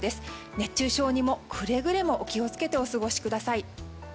熱中症にもくれぐれもお気をつけてお過ごしください。